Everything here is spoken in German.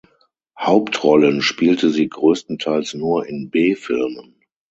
Hauptrollen spielte sie größtenteils nur in B-Filmen.